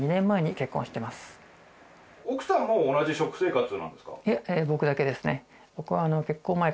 奥さんも同じ食生活なんですか？